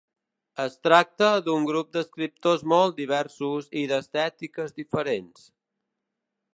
Es tracta d'un grup d'escriptors molt diversos i d'estètiques diferents.